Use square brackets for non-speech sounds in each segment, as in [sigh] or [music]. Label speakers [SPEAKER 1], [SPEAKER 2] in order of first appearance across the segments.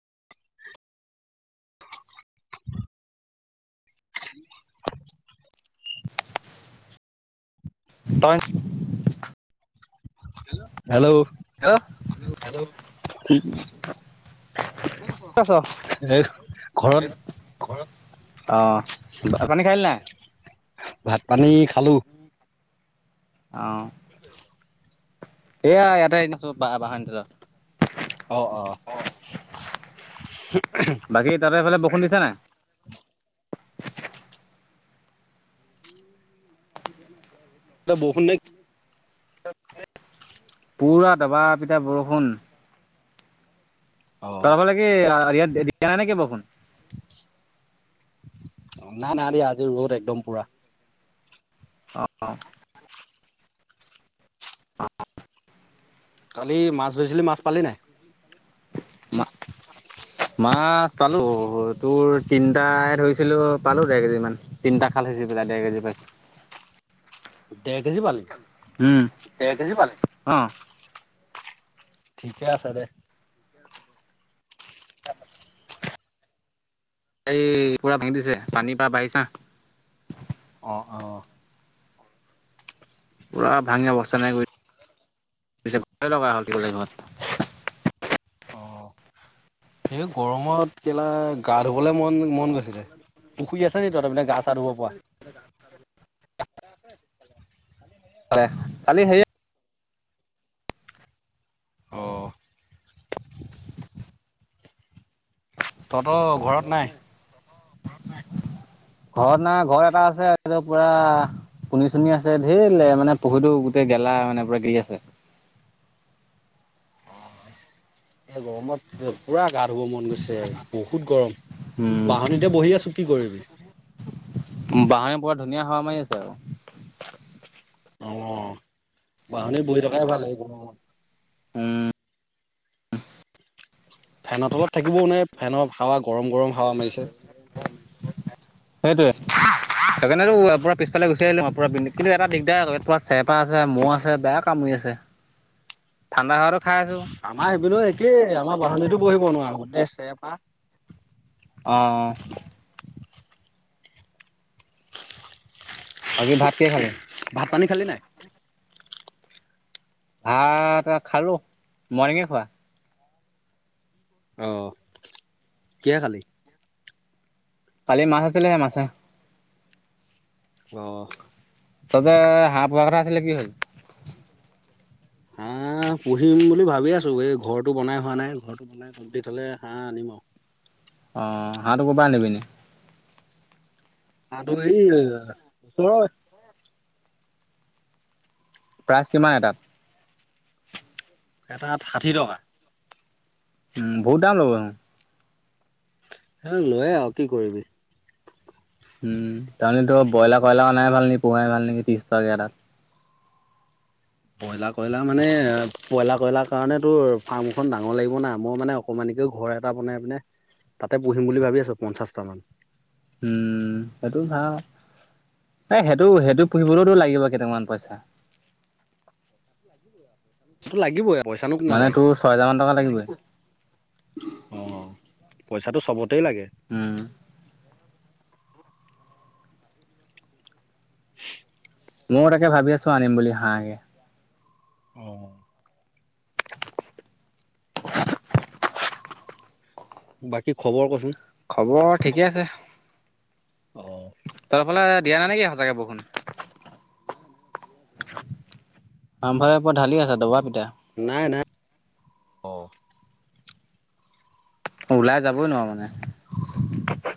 [SPEAKER 1] [inaudible] [inaudible]
[SPEAKER 2] তই
[SPEAKER 1] hello
[SPEAKER 2] hello, ক'ত আছ?
[SPEAKER 1] এই ঘৰত
[SPEAKER 2] অ' ভাত-পানী খালি নাই?
[SPEAKER 1] ভাত পানী খালো
[SPEAKER 2] অ', এয়া ইয়াতে এনে আছো বাহনি তলত
[SPEAKER 1] অ অ
[SPEAKER 2] বাকী, তহঁতৰ ফালে বৰষুণ দিছেনে নাই?
[SPEAKER 1] [inaudible] [unintelligible] বৰষুণ নে?
[SPEAKER 2] পুৰা দবা পিঠা বৰষুণ
[SPEAKER 1] অ
[SPEAKER 2] তাৰফালে কি দিয়া নাই নেকি বৰষুণ
[SPEAKER 1] নাই, নাই, দিয়া আজি ৰ'দ একদম পুৰা
[SPEAKER 2] অ', অ', -
[SPEAKER 1] কালি মাছ ধৰিছিলি মাছ পালি নাই
[SPEAKER 2] মাছ পালো তোৰ তিনিটাই ধৰিছিলো পালো দেৰ কেজি মান তিনটা খাল সিজি পেল দেৰ কেজি পাছছো
[SPEAKER 1] দেৰ কেজি পালি
[SPEAKER 2] উম একৰ কেজি পালে অ',
[SPEAKER 1] ঠিকে আছে দে
[SPEAKER 2] অ', এই পুৰা ভাঙি দিছে পানীৰ পৰা বাঢ়িছা
[SPEAKER 1] অ',
[SPEAKER 2] পুৰা ভাঙি অৱস্থা নাই [unintelligible] লগালৈ [unintelligible]
[SPEAKER 1] অ', সেই গৰমত কেলা গা ধুবলৈ মন মন গৈছিলে পুখুৰ আছে নি তহতৰ পিনে গা ধুব পৰা
[SPEAKER 2] খালি হে
[SPEAKER 1] অ তহঁতৰ ঘৰত নাই
[SPEAKER 2] ঘৰত না ঘৰত এটা আছে এইটো পুৰা পুনি চুনি আছে ধৰ মানে পুখুৰিতো গোটেই গেলা মানে পুৰা গৰি আছে
[SPEAKER 1] এ গৰমত পুৰা গা ধুব মন গৈছে বহুত গৰম
[SPEAKER 2] উম,
[SPEAKER 1] বাহনিতে বহি আছো কি কৰিবি।
[SPEAKER 2] ব ধুনীয়া হাৱা মাৰি আছে আৰু
[SPEAKER 1] অ', াহনী বহি থকাই ভাল লাগিব
[SPEAKER 2] উম।
[SPEAKER 1] ফেনৰ তলত থাকিবও নোৱাৰি ফেনৰ হাৱা গৰম গৰম হাৱা মাৰিছে।
[SPEAKER 2] সেইটোৱে সেইকাৰণেতো পুৰা পিছফালে গুচি আহিলোঁ [unintelligible] পৰা [unintelligible] কিন্তু এটা দিগদাৰ ইয়াৰ পুৰা পৰা চেৰপা আছে মহ আছে বেয়া কামু [unintelligible] ঠাণ্ডা [unintelligible]
[SPEAKER 1] আমাৰ সেইপিনেও একেই আমাৰ বাঁহনিত বহিব নোৱাৰো গোটেই চেৰপা।
[SPEAKER 2] অ', অ'। বাকী ভাত কিহে খালি?
[SPEAKER 1] ভাত পানী খালি নাই?
[SPEAKER 2] ভাত খালোঁ, মৰ্ণিংয়ে খোৱা।
[SPEAKER 1] অ' কিহে খালি?
[SPEAKER 2] কালি মাছ আছিলে মাছে।
[SPEAKER 1] অ'।
[SPEAKER 2] [unintelligible] হাঁফ পোহা কথা আছিলে কি হ'ল।
[SPEAKER 1] হাঁহ পুহিম বুলি ভাবি আছোঁ এই ঘৰটো বনাই হোৱা নাই ঘৰটো বনাই কমপ্লিট হ'লে হাঁহ আনিম আৰু।
[SPEAKER 2] অ' হাঁহটো কৰ পাই আনিবি এনে।
[SPEAKER 1] হাঁহটো এই [unintelligible]
[SPEAKER 2] প্ৰাইচ কিমান এটাত।
[SPEAKER 1] এটাত ষাঠি টকা।
[SPEAKER 2] উম, বহুত দাম ল'ব।
[SPEAKER 1] লৈয়ে আৰু কি কৰিবি।
[SPEAKER 2] উম, তাৰমানে তোৰ ব্ৰইলাৰ, কইলাৰ অনায়ে ভাল নেকি পোহাই ভাল নেকি ত্ৰিশ টকাকে এটাত।
[SPEAKER 1] ব্ৰইলাৰ কইলাৰ মানে ব্ৰইলাৰ কইলাৰ কাৰণ তোৰ ফাৰ্মখন ডাঙৰ লাগিব না মই মানে অকমানি [unintelligible] ঘৰ এটা বনাই পিনে তাতে পুহিম বুলি ভাবি আছোঁ পঞ্চাশটা মান।
[SPEAKER 2] উম, এইটো ভাল। এ সেইটো সেইটো পুহিবলৈতো লাগিব কেইটামান পইচা।
[SPEAKER 1] [inaudible] লাগিবই আ
[SPEAKER 2] মানে তোৰ ছয় হেজাৰ মান টকা লাগিবই।
[SPEAKER 1] অ' পইচাটো চবতেই লাগে।
[SPEAKER 2] উম,
[SPEAKER 1] [inaudible]
[SPEAKER 2] ময়ো তাকে ভাবি আছোঁ আনিম বুলি হাঁহকে।
[SPEAKER 1] অ'। বাকী খবৰ ক'চোন?
[SPEAKER 2] খবৰ ঠিকে আছে। তোৰফালে দিয়া নাই নেকি সঁচাকে বৰষুণ? [unintelligible] পুৰা ঢালি আছে দবা পি
[SPEAKER 1] নাই নাই অ'।
[SPEAKER 2] ওলাই যাবই নোৱাৰো মানে।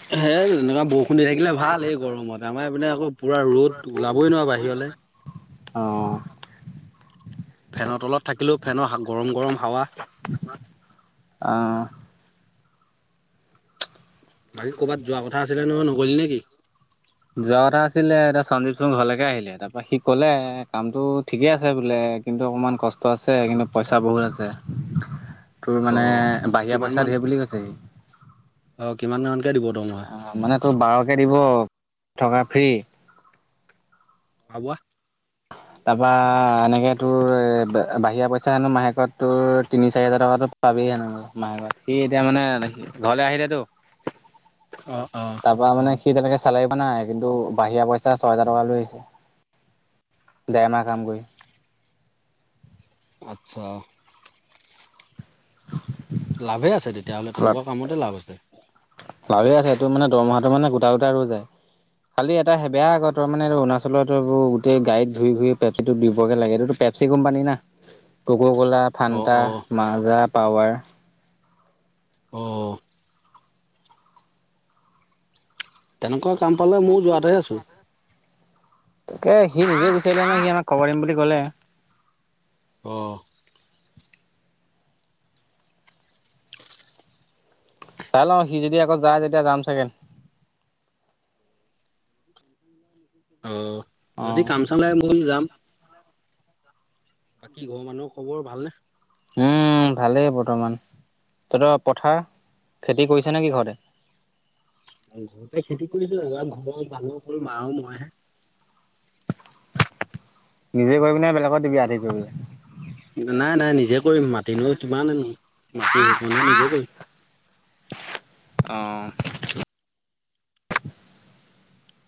[SPEAKER 1] সেই [unintelligible] বৰষুণ দি থাকিলে ভাল এই গৰমত আমাৰ মানে আকৌ পুৰা ৰ'দ ওলাবই নোৱাৰো বাহিৰলৈ।
[SPEAKER 2] অ'।
[SPEAKER 1] ফেনৰ তলত থাকিলেও ফেনৰ গৰম গৰম হাৱা।
[SPEAKER 2] অ'।
[SPEAKER 1] বাকী ক'ৰবাত যোৱা কথা আছিলে নহয় নগলি নে কি
[SPEAKER 2] যোৱা কথা আছিলে এতিয়া সঞ্জীপ চোন ঘৰলৈকে আহিলে তাৰপৰা সি ক'লে কামটো ঠিকে আছে বোলে। এ কিন্তু অকমান কষ্ট আছে কিন্তু পইচা বহুত আছে। তোৰ
[SPEAKER 1] অ
[SPEAKER 2] মানে বাহিৰা
[SPEAKER 1] কিমান
[SPEAKER 2] পইচা
[SPEAKER 1] মান
[SPEAKER 2] ধেৰ বুলি কৈছে সি।
[SPEAKER 1] অ কিমান মানকে দিব দৰমহা
[SPEAKER 2] অ' মানে তোৰ বাৰকে দিব, থকা ফ্ৰী।
[SPEAKER 1] [unintelligible]
[SPEAKER 2] তাৰপা এনেকে তোৰ বাহিৰা পইচা হেনো মাহেকত তোৰ তিনি চাৰি হাজাৰ টকা ত পাবি মাহে মাহে সি এতিয়া মানে ঘৰলে আহিল টো।
[SPEAKER 1] [inaudible] অ
[SPEAKER 2] তাৰ পৰা মানে সি তেনেকে চ লাগিব নাই কিন্তু বাহিৰা পইচা ছয় হেজাৰ টকা লৈ আহিছে। দেৰ মাহ কাম কৰি
[SPEAKER 1] আচ্ছা। লাভে আছে তেতিয়াহ'লে তেনেকুৱা কামতে লাভ আছে।
[SPEAKER 2] লাভে আছে এইটো মানে দৰমহাটো মানে গোটা গোটাই ৰৈ যায়। খালি এটা সে বেয়া আগ তাৰ মে এই অৰুণাচল গোতেই গাড়ীত ঘূৰি ঘূৰি পেপচিটো দিবগে লাগে এইটো পেপচি কোম্পানী না।
[SPEAKER 1] [inaudible]
[SPEAKER 2] কোকাকোলা,
[SPEAKER 1] অ
[SPEAKER 2] ফান্তা,
[SPEAKER 1] অ
[SPEAKER 2] মাজা, পাৱাৰ।
[SPEAKER 1] অহ। তেনেকুৱা কাম পালে ময়ো যোৱাতে আছো।
[SPEAKER 2] তাকে সি নিজেই বিচাৰিলে ম সি আমাক খবৰ দিম বুলি ক'লে।
[SPEAKER 1] অহ।
[SPEAKER 2] চাই লওঁ সি যদি আকৌ যায় তেতিয়া যাম চাগে।
[SPEAKER 1] অহ, যদি
[SPEAKER 2] অ'।
[SPEAKER 1] কাম চলাই মই যাম। বাকী ঘৰৰ মানুহৰ খবৰ ভালনে?
[SPEAKER 2] উম, ভালেই বৰ্তমান। তহঁত পথাৰ খেতি কৰিছে নেকি ঘৰতে?
[SPEAKER 1] ঘৰতে খেতি কৰিছিলো [unintelligible] ভৰ ভাল হ'ল মাও মইহে।
[SPEAKER 2] নিজে কৰিবিনে বেলেগত দিবি আথি কৰিব
[SPEAKER 1] নাই, নাই নিজে কৰিম মাতি নো কিমান মাটি এই কন নিজে কৰিম।
[SPEAKER 2] অহ।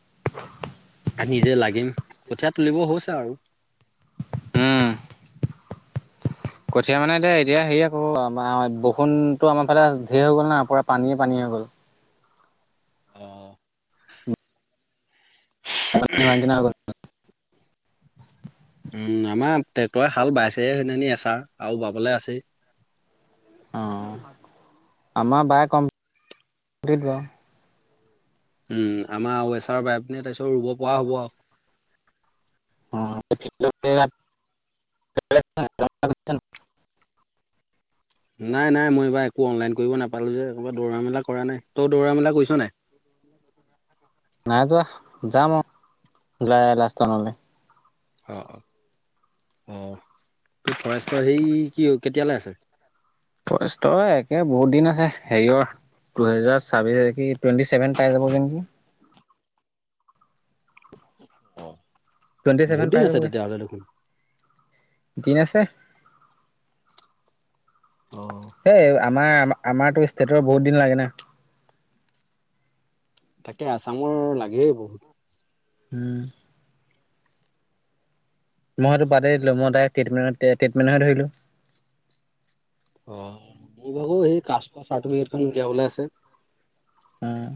[SPEAKER 2] [inaudible]
[SPEAKER 1] নিজে লাগিম কঠীয়া তুলিব হৈছে আৰু।
[SPEAKER 2] উম। কঠীয়া মানে এতিয়া এতিয়া হেৰি আ কৰো আম বৰষুণতো আমাৰ ফালে ঢেৰ হৈ গ'ল না পূৰা পানীয়ে পানী গ'ল।
[SPEAKER 1] অহ।
[SPEAKER 2] অ ভি ন [unintelligible]
[SPEAKER 1] উম, আমাৰ ট্ৰেক্টৰে হাল বাইছে এজনি এচাৰ আৰু বাবলৈ আছেই
[SPEAKER 2] অ', আমাৰ বাই কম্প
[SPEAKER 1] উম, আমাৰ ৱেচাৰ বাইপিনে তাৰপিছত ৰুব পৰা হ'ব আৰু।
[SPEAKER 2] অ' [unintelligible] [unintelligible]
[SPEAKER 1] নাই, নাই মই এইবাৰ একো অনলাইন কৰিব নাপালো যে ক'ব দৌৰা মেলা কৰা নাই তই দৌৰা মেলা কৰিছ নাই।
[SPEAKER 2] নাই যোৱা যাম অ', ওলাই লাষ্টনলৈ
[SPEAKER 1] অ', অ', অ', তোৰ ফৰেষ্টৰ সেই কি কেতিয়ালৈ আছে?
[SPEAKER 2] ফৰেষ্টৰ একে বহুত দিন আছে হেৰিৰ দুহেজাৰ ছাব্বিশ টুৱেণ্টি চছেভেন পাই যাবগে নেকি। টুৱেণ্টি
[SPEAKER 1] বহুত
[SPEAKER 2] ছেভেন
[SPEAKER 1] দিন
[SPEAKER 2] পাই
[SPEAKER 1] আছে
[SPEAKER 2] যাবগৈ
[SPEAKER 1] তেতিয়াহ'লে দেখোন।
[SPEAKER 2] দিন আছে।
[SPEAKER 1] অ
[SPEAKER 2] এইেই আমাৰ আমাৰতো ষ্টেটৰ বহুত দিন লাগে না।
[SPEAKER 1] তাকে আছামৰ লাগে বহুত।
[SPEAKER 2] হম। মইতো বাদতেই দিলো মই তাই টেমেণ্ট ট্ৰিটমেন্টে ধৰিলো।
[SPEAKER 1] অ', মোৰ ভাগো সেই কাস্টৰ চাৰ্টিফিকেট উলিয়াবলৈ আছে।
[SPEAKER 2] উম।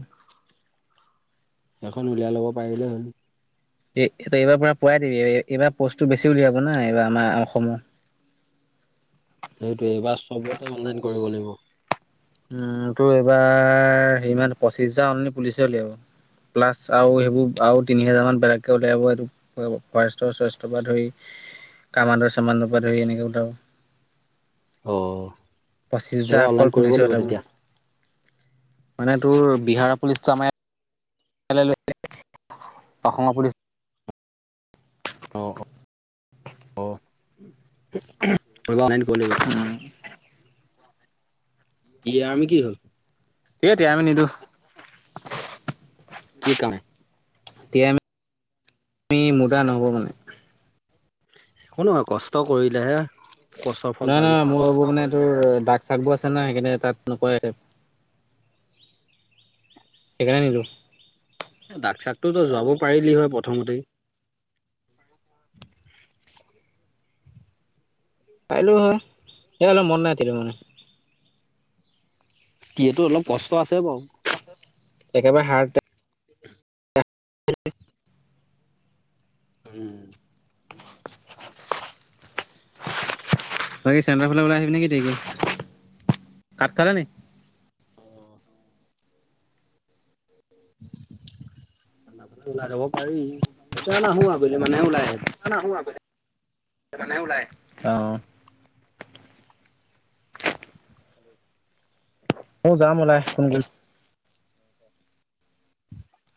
[SPEAKER 1] এখন উলিয়াই ল'ব পাৰিলে হ'ল।
[SPEAKER 2] এ-এই এইবাৰ পৰা পোৱাই দিবি, এইবাৰ পষ্টটো বেছি উলিয়াব না এইবাৰ আমাৰ অসমৰ।
[SPEAKER 1] সেইটোয়ে, এইবাৰ চবতে অনলাইন কৰিব লাগিব।
[SPEAKER 2] উম, তোৰ এইবাৰ হেৰিমান পঁচিছ হাজাৰ অলনি পুলিচে উলিয়াব। প্লাছ আৰু সেইবোৰ আৰু তিনি হাজাৰমান বেলেগকে উওলিয়াব, এই ফৰেষ্ট শষ্টৰ পৰা ধৰি কামাণ্ডো চামাণ্ডৰপৰা ধৰি এনেকে ধৰ
[SPEAKER 1] অ' এইবাৰ
[SPEAKER 2] অকল
[SPEAKER 1] অনলাইন কৰিব
[SPEAKER 2] পুলিচৰ
[SPEAKER 1] লাগিব
[SPEAKER 2] ওলাব।
[SPEAKER 1] তেতিয়া।
[SPEAKER 2] মানে তোৰ বিহাৰৰ পুলিচটো আমাৰ এইফালে লৈ আহিলে অসমৰ পুলিচ [unintelligible]
[SPEAKER 1] কৰিব অনলাইন কৰি লওঁ দুইটা। কি আৰ্মি কি হ'ল?
[SPEAKER 2] সেইটোৱেই আমি নিদিওঁ।
[SPEAKER 1] কি কাৰণে?
[SPEAKER 2] টি এম পি মোৰ কাৰণে নহ'ব মানে।
[SPEAKER 1] একো নহয় কষ্ট কৰিলেহে কষ্টৰ ফল
[SPEAKER 2] নহয়
[SPEAKER 1] পাবি।
[SPEAKER 2] নহয় মোৰ এইবোৰ মানে এই তোৰ দাগ চাগ বোৰ আছে না সেইকাৰণে তাত নকয় সেইকাৰনে নিদিওঁ।
[SPEAKER 1] দাক চাকটোতো যোৱাব পাৰিলি হয় প্ৰথমতেই। [inaudible]
[SPEAKER 2] পাইলো হয়। সেই অলপ মন নাইছিল মানে।
[SPEAKER 1] টিয়েটো অলপ কষ্ট আছে বাৰু।
[SPEAKER 2] একেবাৰে হাৰ্ডত
[SPEAKER 1] উম।
[SPEAKER 2] বাকী চেণ্টাৰফালে ওলাই আহিবি নেকি দে, কাঠ খালে নি?
[SPEAKER 1] অ', ওলাই যব পাৰি, এতিয়া নাহো আবেলি মানেহে ওলাই আহিম।
[SPEAKER 2] এতিয়া নাহোঁ আবেলি মানেহে ওলাই আহিম। অ'।
[SPEAKER 1] [inaudible]
[SPEAKER 2] মই যাম ওলাই কোন খিল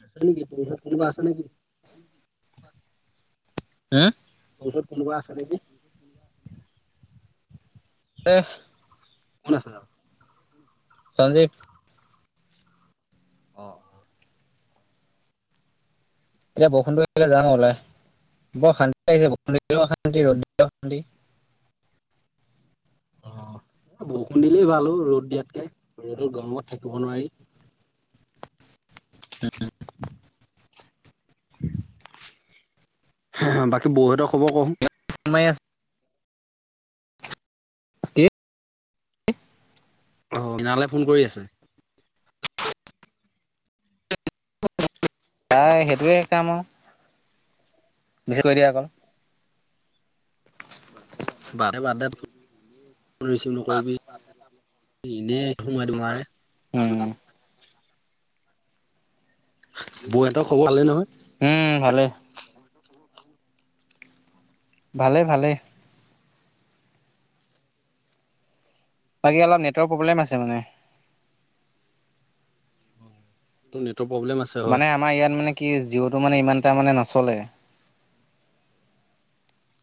[SPEAKER 1] আছে নেকি তোৰ ওচৰত কোনবা আছে নেকি?
[SPEAKER 2] হু?
[SPEAKER 1] তোৰ ওচৰত কোনোবা আছে নেকি?
[SPEAKER 2] এহ
[SPEAKER 1] কোন আছে লগত?
[SPEAKER 2] চঞ্জীৱ
[SPEAKER 1] অ'।
[SPEAKER 2] এতিয়া বৰষুণটো একে যাম ওলাই। বৰ শান্তি লাগিছে অশান্তি ৰধ শান্তি
[SPEAKER 1] [unintelligible] অ', বৰষুণ দিলেই ভাল অই ৰ'দ দিয়াতকে ৰ'দত গৰমত থাকিব নোৱাৰি। বাকী বৌহঁতৰ খবৰ কহোন?
[SPEAKER 2] ছানমাই আছে। এই
[SPEAKER 1] অ' মিনালে ফোন কৰি আছে।
[SPEAKER 2] নাই সেইটোৱে কানো। বেছি কৰি দিয়া আকৌ।
[SPEAKER 1] [unintelligible] বাদদে বাদদে, ৰিচিভ নকৰিবি। এনেই সময় দিব নোৱাৰে।
[SPEAKER 2] উম।
[SPEAKER 1] বৌহঁতৰ খবৰ ভালেই নহয়?
[SPEAKER 2] উম, ভালেই। ভালে ভালে। বাকী অলপ নেটৰ প্ৰব্লেম আছে মানে।
[SPEAKER 1] [unintelligible] আছে হয়।
[SPEAKER 2] মানে আমাৰ ইয়াত মানে কি জিঅ'টো মানে ইমান এটা মানে নচলে।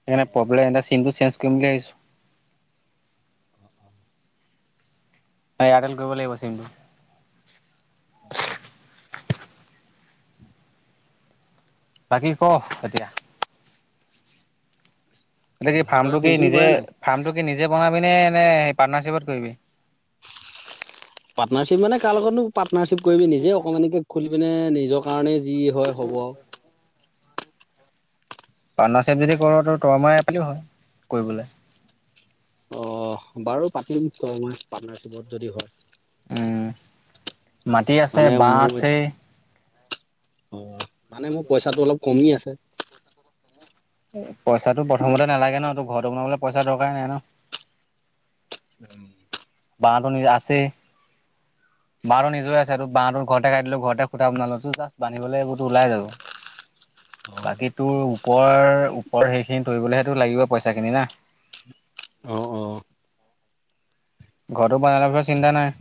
[SPEAKER 2] সেইকাৰণে প্ৰব্লেম চিমটো চেঞ্জ কৰিম বুলি ভাবিছো। হয় ইয়াৰটেল কৰিব লাগিব চিমটো। বাকী ক এতিয়া? এতিয়া কি
[SPEAKER 1] ভাস্কৰে
[SPEAKER 2] ফাৰ্মটো
[SPEAKER 1] ফোন
[SPEAKER 2] কি
[SPEAKER 1] চোন
[SPEAKER 2] নিজে
[SPEAKER 1] কৰে নাই?
[SPEAKER 2] ফাৰ্মটো কি নিজে বনাবি নে নে সেই পাৰ্টনাৰশ্বিপত কৰিবি?
[SPEAKER 1] পাৰ্টনাৰশ্বিপ মানে কাৰ লগতনো পাৰ্টনাৰশ্বিপ কৰিবি নিজে অকণমানিকে খুলি পিনে নিজৰ কাৰণে যি হয় হ'ব আৰু।
[SPEAKER 2] পাৰ্টনাৰশ্বিপ যদি কৰ [unintelligible] হয় কৰিবলৈ।
[SPEAKER 1] অ', বাৰু পাতিম তই মই পাৰ্টনাৰশ্বিপত যদি হয়।
[SPEAKER 2] উম, মাটি আছে
[SPEAKER 1] মানে
[SPEAKER 2] বাঁহ
[SPEAKER 1] মোৰ
[SPEAKER 2] আছে।
[SPEAKER 1] অ', মানে মোৰ পইচাটো অলপ কমি আছে।
[SPEAKER 2] পইচাটো প্ৰথমতে নালাগে ন তোৰ ঘৰতো বনাবলে পইচা দৰকাৰ নাই ন।
[SPEAKER 1] উম।
[SPEAKER 2] বাঁহ টো নিজৰ আছেই।
[SPEAKER 1] [inaudible]
[SPEAKER 2] বাহটো নিজৰে আছে তোৰ বাহটো ঘৰতে কাটি দিলো ঘৰতে খুটা বনালো টোৰ জাষ্ট বান্ধিবলৈ এইবোৰত ওলাই যাব। বাকী তোৰ ওপৰ ওপৰ সেইখিনি তৰিবলৈহে লাগিব পইচা খিনি না।
[SPEAKER 1] আহ অ'।
[SPEAKER 2] ঘৰটো বনাই লোৱা পিছত চিন্তা নাই।